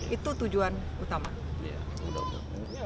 itu tujuan utama